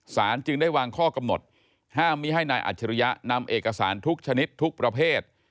จึงได้วางข้อกำหนดห้ามมีให้นายอัจฉริยะนำเอกสารทุกชนิดทุกประเภท